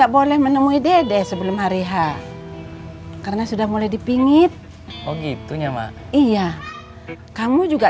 boleh menemui dede sebelum hari h karena sudah mulai dipingit oh gitu nyama iya kamu juga